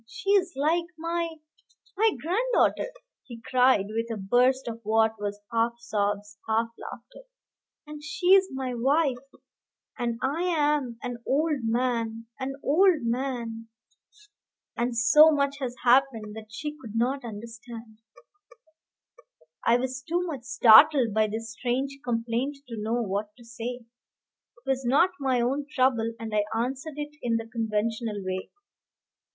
She is like my my granddaughter," he cried, with a burst of what was half sobs, half laughter; "and she is my wife, and I am an old man an old man! And so much has happened that she could not understand." I was too much startled by this strange complaint to know what to say. It was not my own trouble, and I answered it in the conventional way.